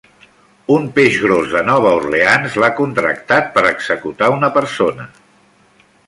Un peix gros de Nova Orleans l'ha contractat per executar una persona.